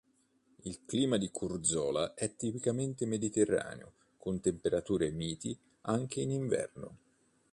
Il clima di Curzola è tipicamente mediterraneo, con temperature miti anche in inverno.